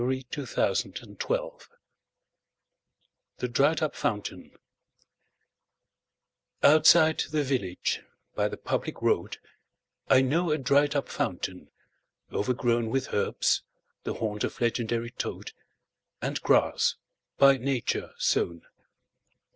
Robert Leighton 1822–69 The Dried up Fountain OUTSIDE the village, by the public road,I know a dried up fountain, overgrownWith herbs, the haunt of legendary toad, And grass, by Nature sown.